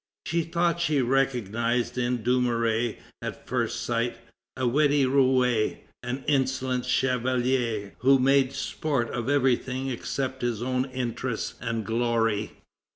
She thought she recognized in Dumouriez at first sight, "a witty roué, an insolent chevalier who makes sport of everything except his own interests and glory."